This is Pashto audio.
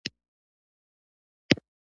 په غرمه کې د لمر سیوری د زر قیمت لري